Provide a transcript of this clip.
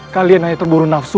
kalian hanya terburu nafsu